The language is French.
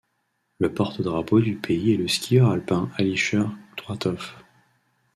Le porte-drapeau du pays est le skieur alpin Alisher Qudratov.